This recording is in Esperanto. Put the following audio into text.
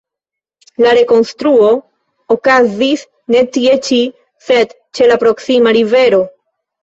La rekonstruo okazis ne tie ĉi, sed ĉe la proksima rivero.